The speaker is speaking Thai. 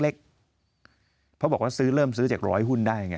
เขาบอกว่าซื้อเริ่มซื้อจากร้อยหุ้นได้ไง